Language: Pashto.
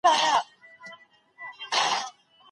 دولتي پوهنتون بې اسنادو نه ثبت کیږي.